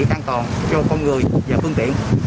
tăng toàn cho con người và phương tiện